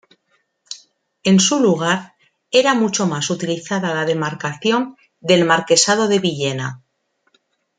En su lugar, era mucho más utilizada la demarcación del Marquesado de Villena.